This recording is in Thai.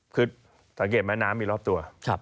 คือสังเกตไหมน้ำมีรอบตัว